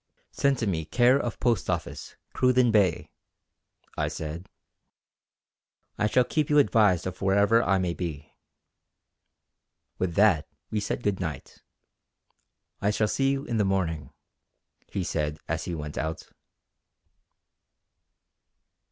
"Send to me care of Post office, Cruden Bay," I said, "I shall keep you advised of wherever I may be." With that we said good night. "I shall see you in the morning," he said as he went out.